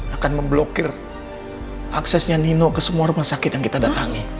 akan memblokir aksesnya nino ke semua rumah sakit yang kita datangi